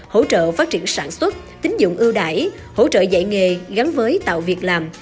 hỗ trợ phát triển sản xuất tính dụng ưu đải hỗ trợ dạy nghề gắn với tạo việc làm